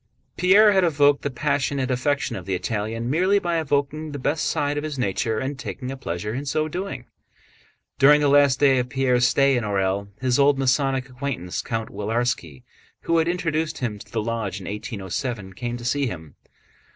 Pierre had evoked the passionate affection of the Italian merely by evoking the best side of his nature and taking a pleasure in so doing. During the last days of Pierre's stay in Orël his old Masonic acquaintance Count Willarski, who had introduced him to the lodge in 1807, came to see him.